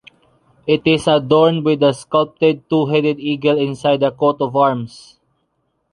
It is adorned with a sculpted two-headed eagle inside a coat of arms.